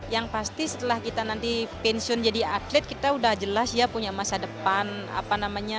yang pasti setelah kita nanti pensiun jadi atlet kita udah jelas ya punya masa depan apa namanya